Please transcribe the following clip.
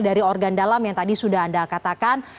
dari organ dalam yang tadi sudah anda katakan